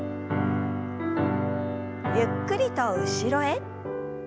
ゆっくりと後ろへ。